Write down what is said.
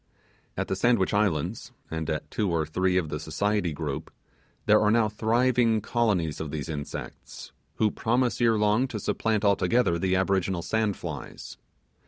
At the Sandwich Islands and at two or three of the Society group, there are now thriving colonies of these insects, who promise ere long to supplant altogether the aboriginal sand flies.